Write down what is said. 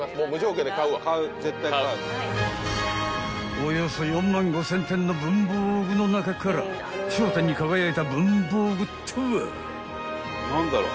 ［およそ４万５，０００点の文房具の中から頂点に輝いた文房具とは？］